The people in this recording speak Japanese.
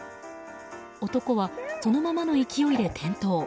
男は、そのままの勢いで転倒。